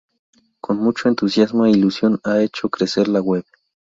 Con mucho entusiasmo e ilusión, ha hecho crecer la web.